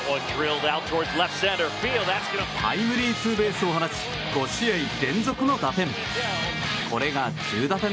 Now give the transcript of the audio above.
タイムリーツーベースを放ち５試合連続の打点。